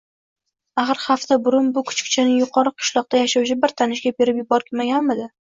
Axir, hafta burun bu kuchukchani yuqori qishloqda yashovchi bir tanishiga berib yubormaganmidi